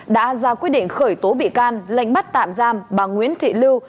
đã ra quyết định khởi tố bị can lệnh bắt tạm giam bà nguyễn thị lưu